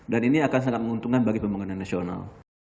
dan ini akan sangat menguntungkan bagi pembangunan nasional